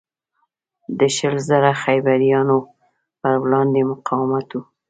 د شل زره خیبریانو پروړاندې مقاومت و.